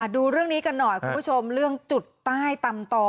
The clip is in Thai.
ดูเรื่องนี้กันหน่อยคุณผู้ชมเรื่องจุดใต้ตำต่อ